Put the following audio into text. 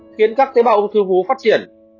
khiến các tế bào ung thư vú phát triển